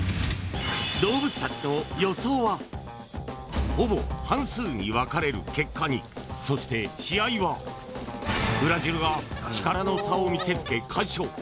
動物たちの予想はほぼ半数に分かれる結果にそして試合はブラジルが力の差を見せつけ快勝